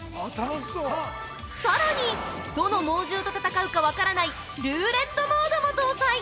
さらにどの猛獣と戦うか分からないルーレットモードも搭載。